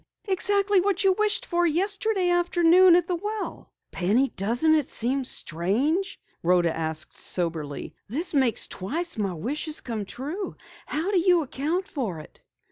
Exactly what you wished for yesterday afternoon at the well." "Penny, doesn't it seem strange?" Rhoda asked soberly. "This makes twice my wish has come true. How do you account for it?"